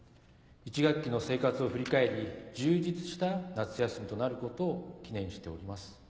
１学期の生活を振り返り充実した夏休みとなることを祈念しております。